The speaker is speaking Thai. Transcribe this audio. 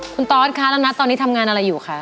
คุณตอสคะแล้วนัทตอนนี้ทำงานอะไรอยู่คะ